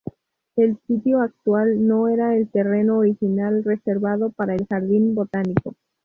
El sitio actual no era el terreno original reservado para el jardín botánico.